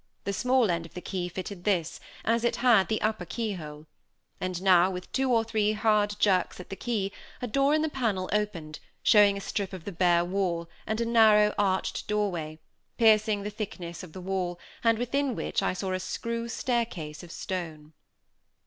The small end of the key fitted this, as it had the upper key hole; and now, with two or three hard jerks at the key, a door in the panel opened, showing a strip of the bare wall and a narrow, arched doorway, piercing the thickness of the wall; and within which I saw a screw staircase of stone.